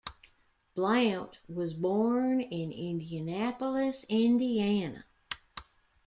Blount was born in Indianapolis, Indiana.